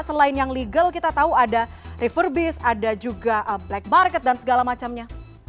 selain yang legal kita tahu ada river base ada juga black market dan segala macamnya